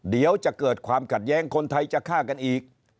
เดี๋ยวจะเกิดความขัดแย้งคนไทยจะฆ่ากันอีก